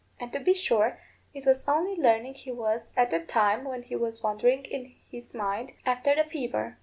And to be sure it was only learning he was at that time when he was wandering in his mind after the fever."